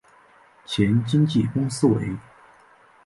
前经纪公司为。